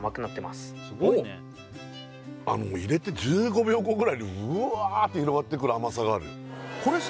すごいね入れて１５秒後ぐらいにブワって広がってくる甘さがあるこれさ